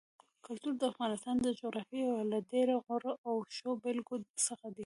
کلتور د افغانستان د جغرافیې یو له ډېرو غوره او ښو بېلګو څخه دی.